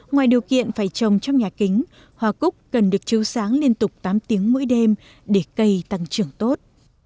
ngoài điều kiện phải trồng trong nhà kính hoa cúc cần được chiếu sáng liên tục tám tiếng mỗi đêm để cây tăng trưởng tốt